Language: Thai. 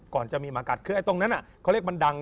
ตรงนั้นเขาเรียกว่ามันดัง